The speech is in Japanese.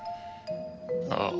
ああ。